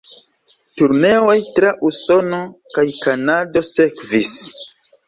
Turneoj tra Usono kaj Kanado sekvis.